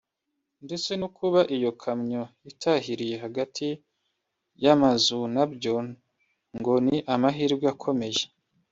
ndetse no kuba iyo kamyo itahiriye hagati y’amazunabyo ngo ni amahirwe akomeye